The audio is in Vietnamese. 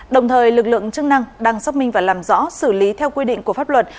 đồng thời lực lượng chức năng đang xác minh và làm rõ xử lý theo quy định của pháp luật